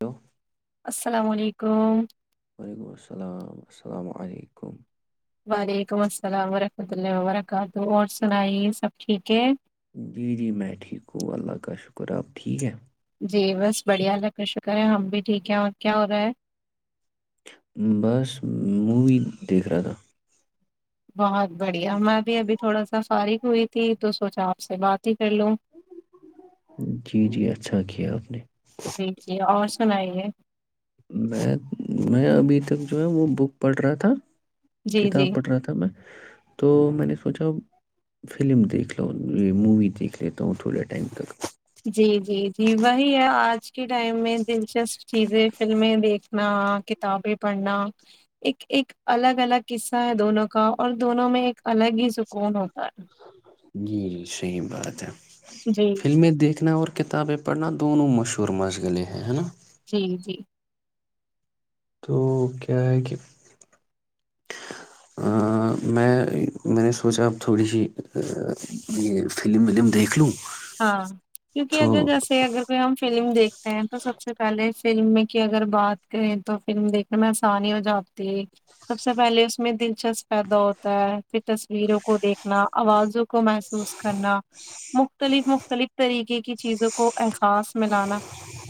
Hello السلام علیکم وعلیکم السلام السلام علیکم وعلیکم السلام ورحمۃ اللہ وبرکاتہ اور سنائیے سب ٹھیک ہے جی جی میں ٹھیک ہوں اللہ کا شکر آپ ٹھیک ہے جی بس بڑھیا الگ کا شکر ہے ہم بھی ٹھیک ہیں اور کیا ہو رہا ہے بس موی دیکھ رہا تھا بہت بڑھیا میں بھی ابھی تھوڑا سا فار ہوئی تھی تو سوچا آپ سے بات ہی کر لوں جی جی اچھا کیا آپ نے جی جی اور سنائیے میں میں ابھی تک جو ہے وہ بک پڑھ رہا تھا جی جی کتاب پڑھ رہا تھا میں تو میں نے سوچا فلم دیکھ لو یہ مووی دیکھ لیتا ہوں تھوڑے ٹائم تک جی جی جی وہی ہے آج کے ٹائم میں دلچسپ چیزیں فلمیں دیکھنا کتابیں پڑھنا ایک ایک الگ الگ قصہ ہے دونوں کا اور دونوں میں ایک الگ ہی سکون ہوتا جی جی صحیح بات ہے ہے جی فلمیں دیکھنا اور کتابیں پڑھنا دونوں مشہور مشغلیں ہیں ہے نا جی جی تو کیا ہے کہ میں میں نے سوچا اب تھوڑی سی یہ فلم ولم دیکھ لوں ہاں کیونکہ اگر تو جیسے اگر کوئی ہم فلم دیکھتے ہیں تو سب سے پہلے فلم کی اگر بات کریں تو فلم دیکھنے میں آسانی ہو جاتی ہے سب سے پہلے اس میں دلچسپ پیدا ہوتا ہے پ تصویروں کو دیکھنا آوازوں کو محسوس کرنا م مختلف مختلف طریقے کی چیزوں کو احساس ملانا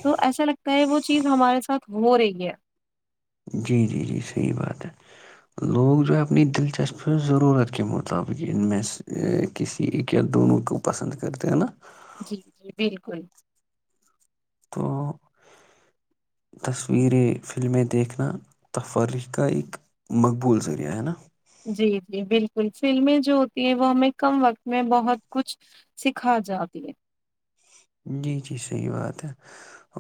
تو ایسا لگتا ہے وہ چیز ہمارے ساتھ ہو رہیی ہے جی جی جی صحیح بات ہے لوگ جو ہے اپنی دلچسپی ضرورت کے مطابق ان میں سے کسی ایک یا دونوں کو پسند کرتے ہیں نا جی جی بالکل تو تصویریں فلمیں دیکھنا تفریح کا ایک مقبول ذریعہ ہے نا جی جی بالکل فلمیں جو ہوتی ہیں وہ ہمیں کم وقت میں بہت کچھ سکھا جاتی ہے جی جی صحیح بات ہے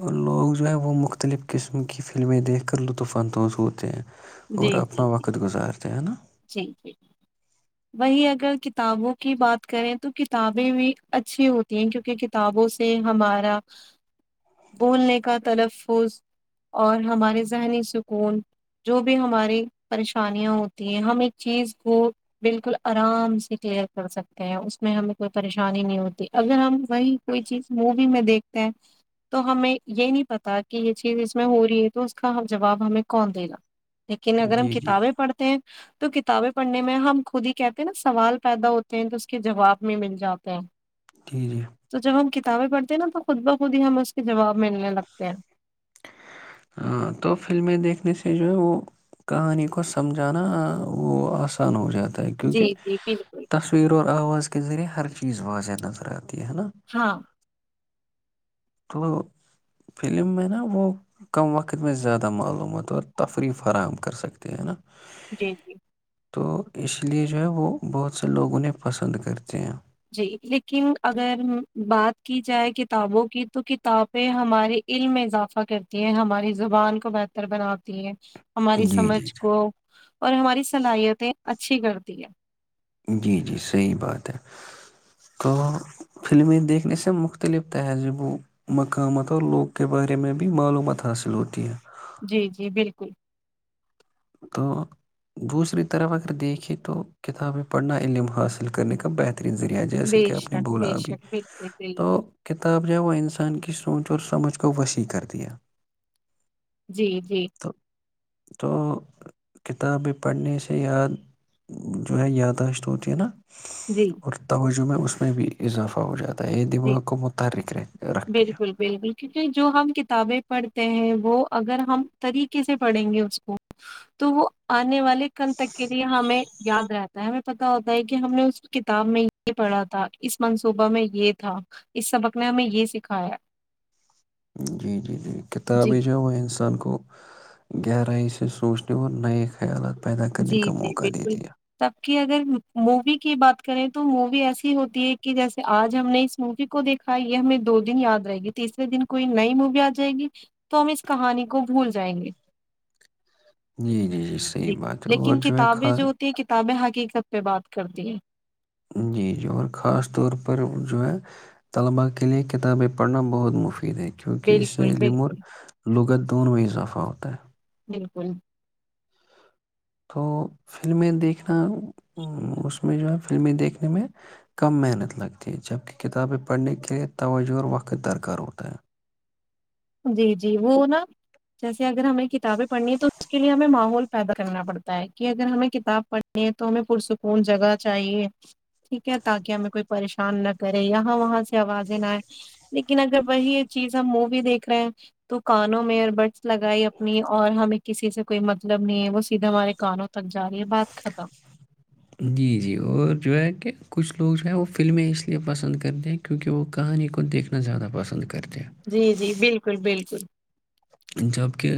اور لوگ جو ہے وہ مختلف قسم کی فلمیں دیکھ کر لطف اندوز ہوتے ہیں جی اور جی اپنا جی وقت گزارتے ہیں نا جی جی وہی اگر کتابوں کی بات کریں تو کتابیں بھی اچھی ہوتی ہیں کیونکہ کتابوں سے ہمارا بولنے کا تلفظ اور ہمارے ذہنی سکون جو بھی ہماری پریشانیاں ہوتی ہم ایک چیز کو بالکل آرام سے کلیئر کر سکتے ہیں اس میں ہمیں کوئی پریشانی نہیں ہوتی اگر ہم وہی کوئی چیز مووی میں دیکھ تو ہمیں یہ نہیں پتا کہ یہ چیز اس میں ہو رہی ہے تو اس کا جواب ہمیں کون دےینا لیکن اگر ہم جی جی کتابیں پڑھتے ہیں تو کتابیں پڑھنے میں ہم خود ہی کہتے ہیں نا سوال پیدا ہوتے ہیں تو اس کے جواب میں مل جاتے ہیں جی جی تو ج ہم کت کتابے پڑتے نا تو خود بخود ہی ہم اس کے جواب ملنے لگتے ہیں تو فلمیں دیکھنے سے کہ جو ہے وہ کہانی کو سمجھانا وہ آسان ہو جاتا جی کیونکہ جی بالکل تصویر اور آواز کے ذریعہ ہر چیز بازے نظرات ہے نا ہاں تو لو فلم میں نا وہ کم وقت میں زیادہ معلومات اور تفریح فراہم کر سکتے ہیں نا جی جی تو اس لیے جو ہے وہ بہت سے لوگ انہیں پسند کرتے ہیں جی لیکن اگر بات کی جائے کتابوں کی تو کتابیں ہمارے علم میں اضافہ کرتی ہیں ہماری زبان کو بہتر بناتی ہیں ہماری جی جی سمجھ کو اور ہماری صلاحیتیں اچ اچھی کرتی ہے جی جی صحیح بات ہے تو فلمیں دیکھنے سے مختلف تہذیب و مقامات اور لوگ کے بارے میں بھی معلومات حاصل ہوتی ہے جی جی بالکل تو دوسری طرف اگر دیکھیں تو کتابیں پڑھنا علم حاصل کرنے کا بہتر ذریعہ بے جیسے کہ آپ نے شک بولا بے ابھی شک بالکل تو بالکل کتاب ہے انسان سوچ اور سمجھ کو وسیع کر دیا جی جی تو تو کتابیں پڑھنے سے یاد جو ہے یاداشت ہوتی ہے نا جی اور جو میں اس میں بھی اضافہ ہو جاتا ہوں جی ہے بالکل بالکل کیونکہ جو ہم کتابیں پڑھتے ہیں وہ اگر ہم طریقے سے پڑھیں گے اس کو تو وہ آنے والے کنتک کے لیے ہمیں یاد رہتا ہے ہمیں پت ہوتا ہے کہ ہم نے اس کتاب میں یہ پڑھا تھا اس منصوبہ میں یہ تھا اس سبق نے ہمیں یہ سکھایا جی جی جی جی کتابیں جو وہ انسان کو گہرائی سے سونچنے ا نئےے خیالات پیدا کرنے جی کا جی موقع بالکل دیتی ہے تب کی اگر مووی کی بات کریں تو مووی ایسی ہوتی ہے کہ جیسے آج ہم نے اس مووی کو دیکھا یہ ہمیں دو دن یاد رہے گی تیسرے دن کوئی نئی مووی آ جائے گی تو ہم اس کہانی کو بھول جائیں گے جی جی جی صحیح بات ہے اور لیکن ہے کتابیں خا جو ہوتی ہے کتاب ب حقیقت پہ بات کر دی ہے جی جی اور خاص طور پر جو ہے طلباء کے لیے کتابیں پڑھنا بہت مشکل دیں کیونکہ اس سے بالکل ع لمور بالکل لغت دونوئی اضافہ ہوتا ہے بالکل [inaudible] جی جی وہ نا جیسے اگر ہمیں ک کتابیں پڑنی ہے تو اس کےے ہمیں ماحول پیدا کرنا پڑتا ہے کہ اگر ہمیں کتاب پڑھنی ہے تو ہمیں پرسکون جگہ چاہیے ٹھیک ہے تاکہ ہمیں کوئی پریشان نہ کرے یہاں وہاں سے آوازیں نہ آئے لیکن اگر وہی یہ چیز ہم مووی دیکھ تو کانوں میں اور بڈس لگائی اپنی اور ہمیں کسی سے کوئی مطلب نہیں ہے وہ سیدھا ہمارے کانوں تک جا رہی ہے بات ختم جی جی اور جو ہے کہ کچھ لوگ جو ہے وہ فلمیں اس لیے پسند کرتے ہیں کیونکہ وہ کہانی کو دیکھنا زیادہ پسند کرتے ہیں جی جی بالکل بالکل جبکہ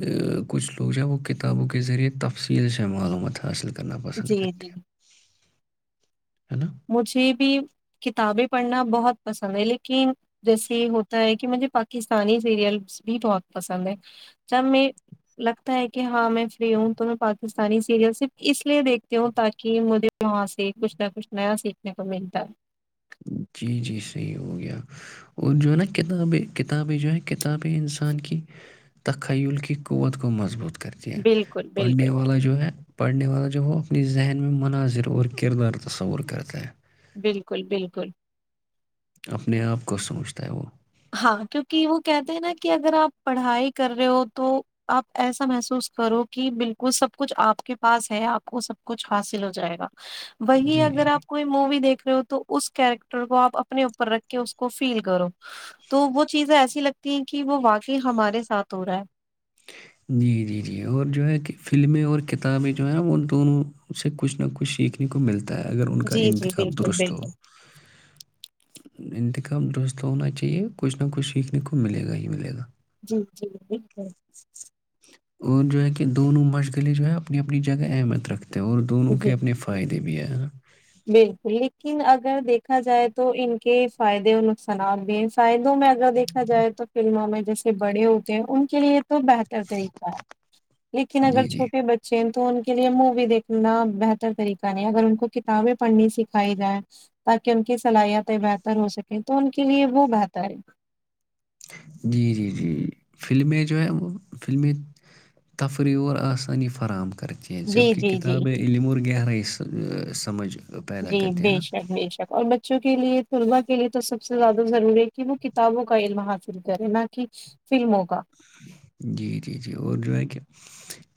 کچھ لوگ جو ہے وہ کتابوں کے ذریعے تفصیل ش معلومات حاصل کرتے ہیں کرنا پسند جی کرتے جی ہیں ہے نا مجھے بھی کتابیں پڑھنا بہت پسند ہے لیکن جیسے یہ ہوتا ہے کہ مجھے پاکستانی سیریلس بھی بہت پسند ہے جب میں لگتا ہے کہ ہاں میں فری ہوں تو میں پاکستانی سیریل صرف اس لیے دیکھتی ہوں تاکہ مجھے وہاں سے کچھ نہ کچھ نیا سیکھنے کو ملتا ہے جی جی صحیح ہو گیا اور جو ہے نا کتابیں کتابیں جو ہے کتابیں انسان کی تخیل کی قوت کو مضبوط کرتے ہیں بالکل بالکل پنڈے والا جو ہے پڑھنے والا جو وہ اپنی ذہن میں مناظر اور کردار تصور کرتا ہے بالکل بالکل اپنے آپ کو سمجھتا ہے وہ ہاں کیونکہ وہ کہتے ہیں نا کہ اگر آپ پڑھائی کر رہے ہو تو آپ ایسا محسوس کرو کہ بالکل سب کچھ آپ کے پاس ہے آپ کو سب کچھ حاصل ہو جائے گا وہی جی اگر جی آپ کوئی مووی دیکھ ہو تو اس کیریکٹر کو آپ اپنے اوپر رکھ کے اس کو فیل کرو تو وہ چیزیں ایسی لگتی ہیں کہ وہ واقعی ہمارے ساتھ ہو رہا ہے جی جی جی اور جو ہے کہ فلمیں اور کتابیں جو ہیں وہ دونوں سے کچھ نہ کچھ سیکھنے کو ملتا اگر ان کا جی جی انتخاب بالکل درست ہو بالکل انتظام دورست ہونا چاہیے کچھ نہ کچھ سیکھنے کو ملے گا ہی ملے گا جی جی بالکل اور جو ہے کہ دونوں مشغلیں جو ہے اپنی اپنی جگہ اہمیت رکھتے تو اور دونوں جی کے اپنے فائدے بھی ہیں ہ بالکل لیکن اگر دیکھا جائے تو ان کے فائدے اور نقصانات بھی ہیں فائدے میں اگر دیکھا جائے تو فلموں میں جیسے بڑے ہوتے ہیں ان کے لیے تو بہتر طریقہ ہے لیکن اگر جی جی چھوٹے بچے تو ان کے لیے مووی دیکھنا بہتر طریقہ نہیں اگر ان کو ک کتابیں پڑھنی سکھائی جائ تاکہ ان کی صلاحیتیں بہتر ہو سکیں تو ان کے لیے وہ بہتر ہے جی جی جی فلمیں جو ہیں وہ فلمیں تفریح اور آسانی فراہم کرتی ہیں جب جی کی جی جی کتاب ہے علم اور گہ رہا سمجھ پیدا جی کرتی بے ہیں نا شک بے شک اور ب بچوں کے لیے طلبا کے لیے تو سب سے زیادہ ضروری ہے کہ وہ کتابوں کا علم حاصل کرے نہ کہ فلموں کا جی جی جی اور جو ہے کہ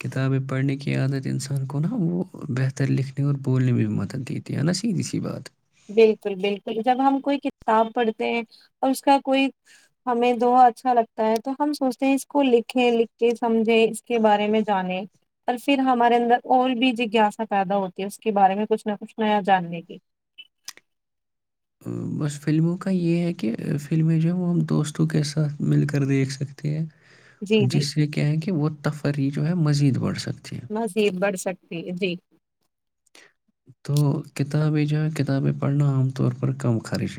کتابیں پڑھنے کی عادت انسان کو نا وہ بہتر لکھنے اور بولنے میں بھی مدد دیتی ہے نا سیدھی سی بات بالکل بالکل جب ہم کوئی کتاب پڑھتے ہیں اور اس کا کوئی ہمیں دا اچھا لگتا ہے تو ہم سوچتے ہیں اس کو لکھیں لکھ کے سمجھیں کے بارے میں جانیں اور پھر ہمارے اندر اور بھی جگاسا پیدا ہوتی ہے اس کے بارے میں کچھ نہ کچھ نیا جاننے کی بس فلموں کا یہ ہے کہ فلمیں جو ہے وہ ہم دوستوں کے ساتھ مل کر دیکھ سکتے ہیں جی جی جس سے کیا ہے کہ وہ تفریح جو ہے مزید وورست مزید بڑھ سک جی جی تو کتابیں جا کتابیں پڑھنا عام طور پر کم خرچ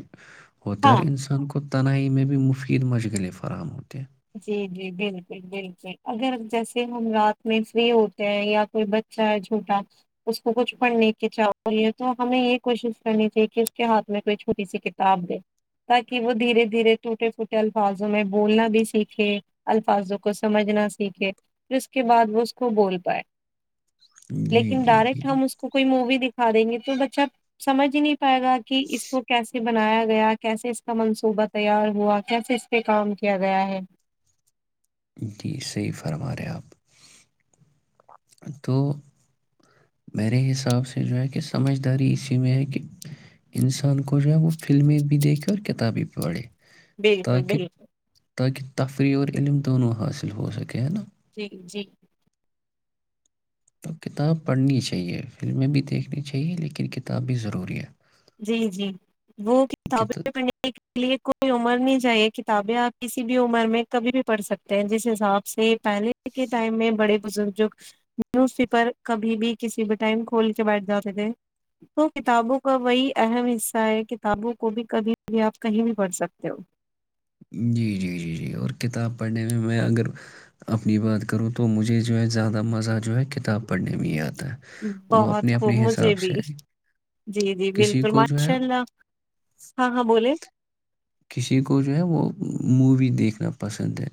ہو در ہاں انسان کو تنہی میں بھی مفید مشغلیں فراہم ہوتے ہیں جی جی بالکل بالکل اگر جیسے ہم رات میں فری ہوتے ہیں یا کوئی بچہ ہے چھوٹا اس کو کچھ پڑھنے کی چاہ رہی ہے تو ہمیں یہ کوشش کرنی چاہیے کہ اس کے ہاتھ میں کوئی چھوٹی سی کتاب دے تاکہ وہ دھیرے دھیرے ٹوٹے پھوٹے الفاظوں میں بولنا بھی س سیکھے الفاظوں کو سمجھنا سیکھے پھر اس کے بعد وہ اس کو بول پائے ہیں جی لیکن جی جی ڈائریکٹ جی ہم اس کو کوئی مووی دکھا دیں گے تو بچ اچھا سمجنی پائے گا کہ اس کو کیسے بنایا گیا کیسے اس کا منصوبہ تیار ہوا کیسے اس پہ کام کیا گیا ہے جی صحیح فرما رہے آپ تو میرے حساب سے جو ہے کہ سمجھداری اسی میں ہے کہ انسان کو جو ہے وہ فلمیں بھی دیکھے اور کتابیں بھی پڑھے بالکل تاکہ بالکل تاکہ تفریح اور علم دونوں حاصل ہو سکے نا جی جی تو کتاب پڑھنی چاہیے فلمیں بھی دیکھنی چاہیے لیکن کتاب بھی ضروری ہے جی جی وہ کتا کتابیں پڑھنے کے لیے کوئی عمر نہیں چاہیے کتابیں آپ کسی بھی عمر میں کبھی بھی پڑھ سکتے ہیں جس حساب سے پہے کے ٹائم میں بڑے بزرگ جو نیوز پیپر کبھی بھی کسی بھی ٹائم کھول کے بیٹھ جاتے تھے تو کتابوں کا وہی اہم حصہ ہے کتابوں کو بھی کبھی کبھی آپ کہیں بھی پڑھ سکتے ہو جی جی جی جی اور کتاب پڑھنے میں میں اگر اپنی بات کروں تو مجھے جو ہے زیادہ مزہ جو ہے کتاب پڑھنے میں یادتا بہت خوب مجھے بھی ہے۔ جی جی کسی بالکل کو جو ہے ماشاء اللہ ہاں ہاں بولے کسی کو جو ہے وہ مووی دیکھنا پسند ہے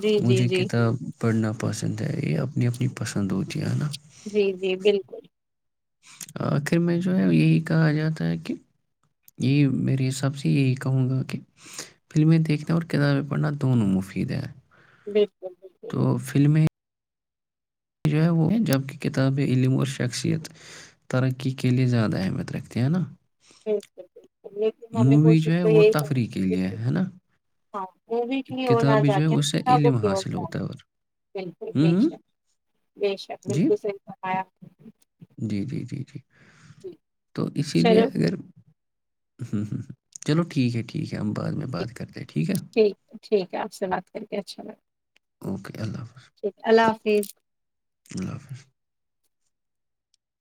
جی جی مجھے جی کتاب پڑھنا پسند ہے یہب اپنی اپنی پسند ہوتی ہے نا جی جی بالکل آخر میں جو ہے یہی کہا جاتا ہے کہ یہی میرے حساب سے یہی کہوں گا کہ فلمیں دیکھنا اور کتابیں پڑھنا دونوں مفید ہیں بالکل بالکل یہ جو ہے وہ جبک کتابیں علم اور شخصیت ترقی کے لئے زیادہ اہمیت رکھتی ہیں نا جی ج جی مووی جو ہے وہ تفریح کے لیئے ہے نا می کی اور نہ کتابیں جو ہے جاہی اس سے کتابوں علم کی حاصل جاہ رہی ہوتا ہے اور بالکل بے ہوں ہوں، شک بے شک جی بالکل ص آ جی جی جی جی تو اسی لیے اگر ہوں ہوں ہوں چلو ٹھیک ہے ٹھیک ہے ہم بعد میں ٹھیک بات کرتےیں ٹھیک ٹھیک ہے آپ سے بات کر کے اچھا م اوکے ال حفظ اللہ حافظ